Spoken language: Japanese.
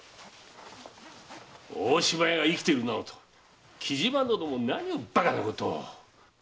大島屋が生きているなどと木島殿も何をバカなことを。